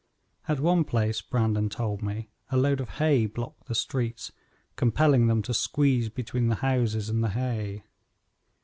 At one place, Brandon told me, a load of hay blocked the streets, compelling them to squeeze between the houses and the hay.